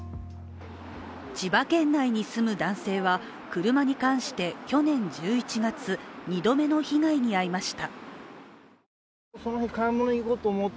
千葉県内に住む男性は車に関して去年１１月、２度目の被害に遭いました。